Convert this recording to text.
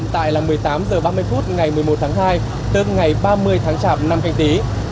thưa quý vị và các đồng chí hiện tại là một mươi tám h ba mươi phút ngày một mươi một tháng hai tương ngày ba mươi tháng chảm năm canh tý